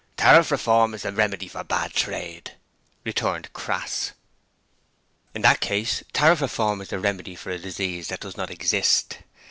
'Tariff Reform is the remedy for bad trade,' returned Crass. 'In that case Tariff Reform is the remedy for a disease that does not exist.